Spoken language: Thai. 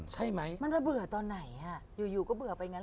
ใช่ไหมมันระเบื่อตอนไหนอยู่ก็เบื่อไปงั้น